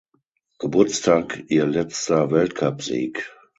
Geburtstag ihr letzter Weltcupsieg.